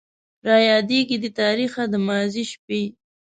رايادېږي دې تاريخه د ماضي شپې